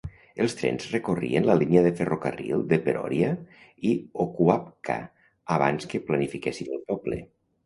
Els trens recorrien la línia de ferrocarril de Peroria i Oquawka abans que planifiquessin el poble.